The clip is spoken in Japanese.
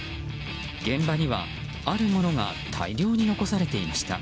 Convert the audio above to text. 現場には、あるものが大量に残されていました。